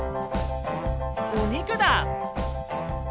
お肉だ！